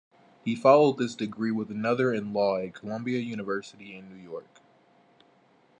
He followed this degree with another in law at Columbia University in New York.